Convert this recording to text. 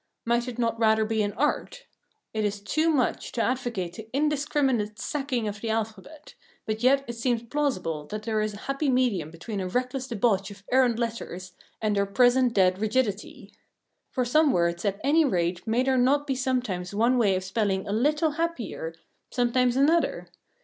Might it not rather be an art? It is too much to advocate the indiscriminate sacking of the alphabet, but yet it seems plausible that there is a happy medium between a reckless debauch of errant letters and our present dead rigidity. For some words at anyrate may there not be sometimes one way of spelling a little happier, sometimes another?